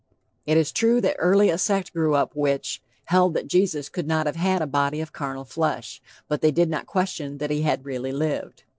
"It is true that early a sect grew up which....held that Jesus could not have had a body of carnal flesh; but they did not question that he had really lived."